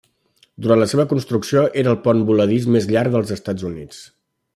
Durant la seva construcció, era el pont voladís més llarg dels Estats Units.